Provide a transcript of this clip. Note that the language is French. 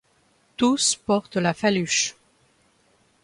Tous portent la faluche.